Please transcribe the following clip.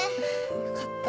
よかった。